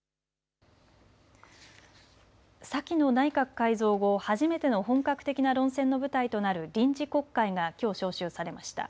先の内閣改造後、初めての本格的な論戦の舞台となる臨時国会がきょう召集されました。